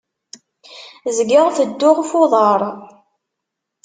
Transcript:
Zgiɣ tedduɣ f uḍaṛ.